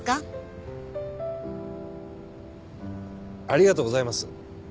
ありがとうございます。